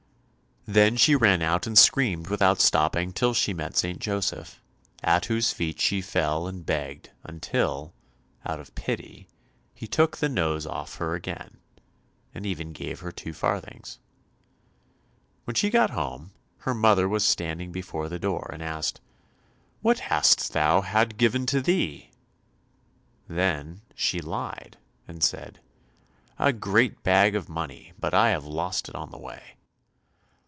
Then she ran out and screamed without stopping till she met St. Joseph, at whose feet she fell and begged until, out of pity, he took the nose off her again, and even gave her two farthings. When she got home, her mother was standing before the door, and asked, "What hast thou had given to thee?" Then she lied and said, "A great bag of money, but I have lost it on the way."